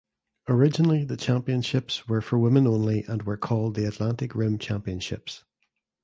Originally the Championships were for women only and were called the Atlantic Rim Championships.